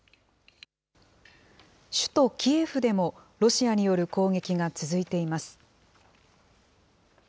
首都キエフでも、ロシアによる攻撃が続いています。